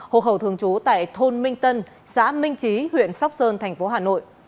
hộ khẩu thường trú tại thôn minh tân xã minh trí huyện sóc sơn thành phố hà nội